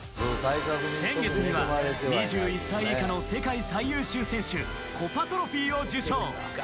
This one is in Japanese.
先月には２１歳以下の世界最優秀選手コパトロフィーを受賞。